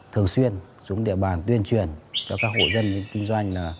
thường xuyên xuống địa bàn tuyên truyền cho các hội dân kinh doanh